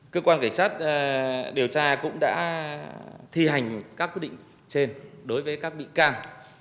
cơ quan cảnh sát điều tra cũng đã thi hành các quyết định trên đối với các bị can